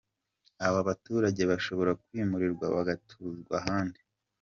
Aba baturage bashobora kwimurwa bagatuzwa ahandi.